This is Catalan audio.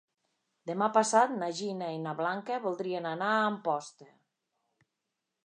Demà passat na Gina i na Blanca voldrien anar a Amposta.